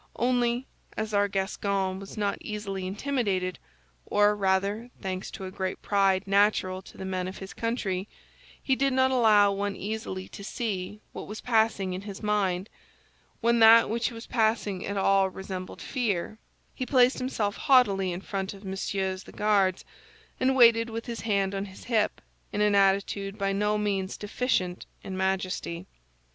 Only, as our Gascon was not easily intimidated—or rather, thanks to a great pride natural to the men of his country, he did not allow one easily to see what was passing in his mind when that which was passing at all resembled fear—he placed himself haughtily in front of Messieurs the Guards, and waited with his hand on his hip, in an attitude by no means deficient in majesty.